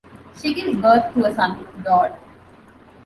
She gives birth to a son, Dodd.